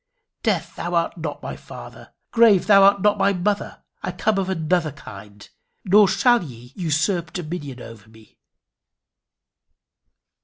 Death, thou art not my father! Grave, thou art not my mother! I come of another kind, nor shall ye usurp dominion over me."